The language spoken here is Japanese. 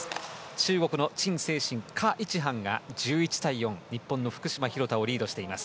中国のチン・セイシンカ・イチハンが１１対４日本の福島、廣田をリードしています。